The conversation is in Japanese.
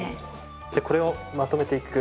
でこれをまとめていく。